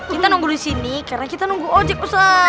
kita nunggu disini karena kita nunggu ojek ustaz